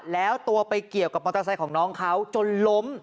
แล้วตัวไปเกี่ยวกับมอเตอร์ไซค์ของน้องเขาจนล้ม